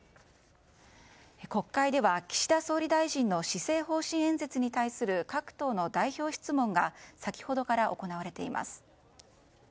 国会では岸田総理大臣の施政方針演説に対する各党の代表質問が先ほどから行われています。